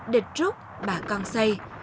địch rút bà con xây